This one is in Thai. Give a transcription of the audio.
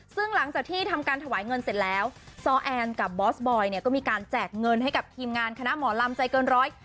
ซึ่งหลังจากที่ทำการถวายเงินเสร็จแล้วซอแอนกับบอสบอยเนี่ยก็มีการแจกเงินให้กับทีมงานคณะหมอลำใจเกินร้อย